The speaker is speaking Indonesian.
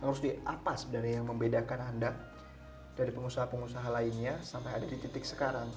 rusdi apa sebenarnya yang membedakan anda dari pengusaha pengusaha lainnya sampai ada di titik sekarang